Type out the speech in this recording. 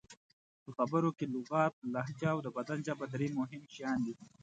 په خبرو کې لغت، لهجه او د بدن ژبه درې مهم شیان دي.